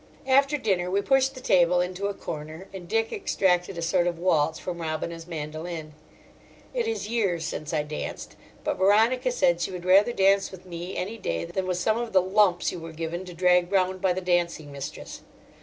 After dinner we pushed the table into a corner, and Dick extracted a sort of waltz from Robina's mandoline. It is years since I danced; but Veronica said she would rather dance with me any day than with some of the "lumps" you were given to drag round by the dancing mistress.